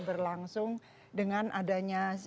berlangsung dengan adanya